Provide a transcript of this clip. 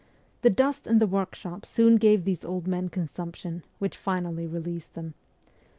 The dust in the workshop soon gave these old men consumption, which finally released them.